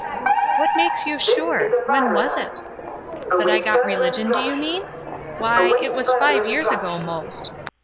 *' ''What makes you sure? When was it?" ''That I got religion, do you mean? Why, it was five years ago, 'most.